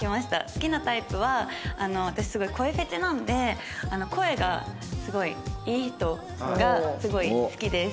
好きなタイプは私すごい声フェチなんで声がすごいいい人がすごい好きです。